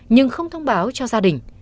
nhưng không thông báo cho gia đình